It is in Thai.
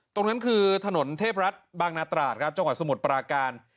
ตรงนั้นคือถนนเทพรัฐบางนาตราดครับจังหวัดสมุทรปราการ